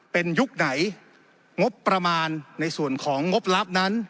เป็นยุคไหนงบประมาณในส่วนของงบลับนั้น